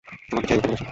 তোমাকে ছেড়ে দিতে বলেছে।